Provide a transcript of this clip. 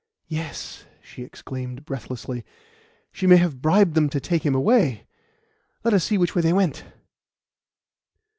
"Yes," she exclaimed breathlessly; "she may have bribed them to take him away. Let us see which way they went."